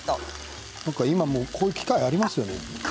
今、こういう機械ありますよね。